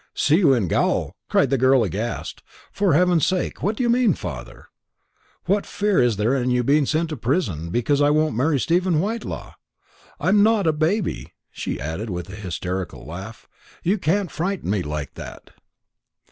"See you in gaol!" cried the girl aghast. "For heaven's sake, what do you mean, father? What fear is there of your being sent to prison, because I won't marry Stephen Whitelaw? I'm not a baby," she added, with a hysterical laugh; "you can't frighten me like that."